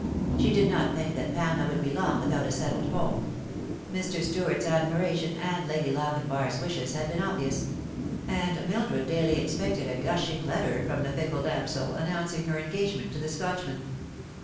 She did not think that Pamela would be long without a settled home. Mr. Stuart's admiration and Lady Lochinvar's wishes had been obvious ; and Mildred daily expected a gushing letter from the fickle damsel, announcing her engage ment to the Scotchman.